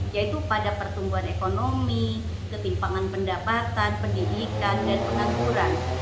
yaitu pada pertumbuhan ekonomi ketimpangan pendapatan pendidikan dan pengangguran